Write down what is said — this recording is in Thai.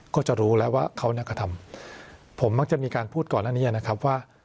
ก็จะรู้แล้วว่าเขาเนี่ยกระทำผมมักจะมีการพูดก่อนหน้านี้นะครับว่า